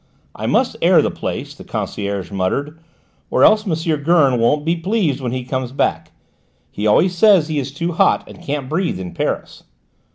"I must air the place," the concierge muttered, "or else M. Gurn won't be pleased when he comes back. He always says he is too hot and can't breathe in Paris."